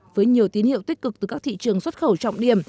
với nhiều tín hiệu tích cực từ các thị trường xuất khẩu trọng điểm